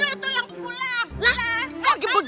ini tuh yang pulang